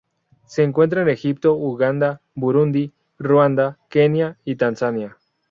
Se encuentra en Egipto, Uganda, Burundi, Ruanda, Kenia y Tanzania.